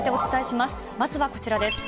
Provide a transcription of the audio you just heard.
まずはこちらです。